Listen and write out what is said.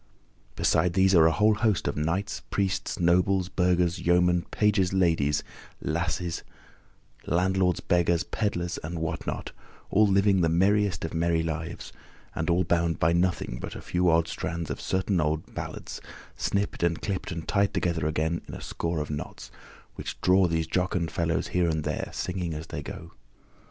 Beside these are a whole host of knights, priests, nobles, burghers, yeomen, pages, ladies, lasses, landlords, beggars, peddlers, and what not, all living the merriest of merry lives, and all bound by nothing but a few odd strands of certain old ballads (snipped and clipped and tied together again in a score of knots) which draw these jocund fellows here and there, singing as they go.